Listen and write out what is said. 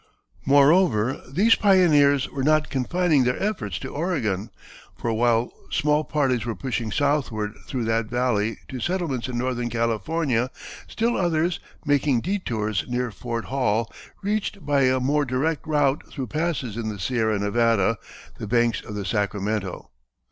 Moreover, these pioneers were not confining their efforts to Oregon, for while small parties were pushing southward through that valley to settlements in Northern California, still others, making detours near Fort Hall, reached, by a more direct route through passes in the Sierra Nevada, the banks of the Sacramento.